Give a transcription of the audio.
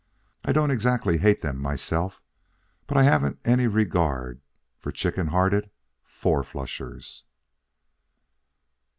I don't exactly hate them myself, but I haven't any regard for chicken hearted four flushers."